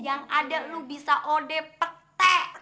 yang ada lo bisa ode petek